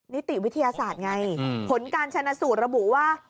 นิติวิทยาศาสตร์ไงผลการชนะสูตรระบุว่า